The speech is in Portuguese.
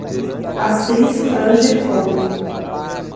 Assis Fran Gifone